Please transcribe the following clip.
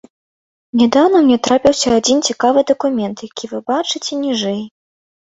Нядаўна мне трапіўся адзін цікавы дакумент, які вы бачыце ніжэй.